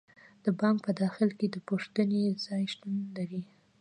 د بانک په داخل کې د پوښتنې ځای شتون لري.